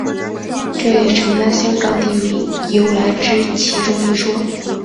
这也成了香港地名由来之其中一说。